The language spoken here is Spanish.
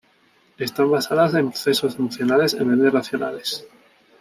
Están basadas en procesos emocionales en vez de racionales.